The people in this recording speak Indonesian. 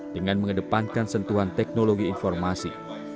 dengan mengedepankan sentuhan teknologi informasi